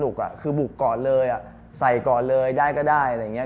สนุกอะคือบุกก่อนเลยอะใส่ก่อนเลยได้ก็ได้อะไรอย่างเงี้ย